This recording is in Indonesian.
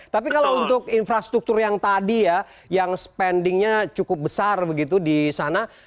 tapi kalau untuk infrastruktur yang tadi ya yang spendingnya cukup besar begitu di sana